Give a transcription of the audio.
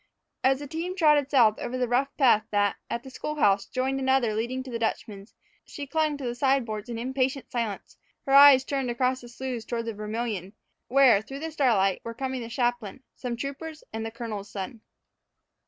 As the team trotted south over the rough path that, at the school house, joined another leading to the Dutchman's, she clung to the side boards in impatient silence, her eyes turned across the sloughs toward the Vermilion, where, through the starlight, were coming the chaplain, some troopers, and the colonel's son.